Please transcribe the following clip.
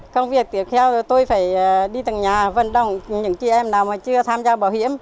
công việc tiếp theo tôi phải đi từng nhà vận động những chị em nào mà chưa tham gia bảo hiểm